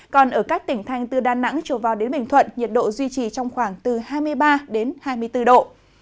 còn ở các tỉnh thanh từ đà nẵng trở vào đến bình thuận nhiệt độ duy trì trong khoảng từ hai mươi ba hai mươi bốn độ